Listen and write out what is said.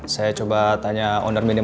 saya coba tanya owner minim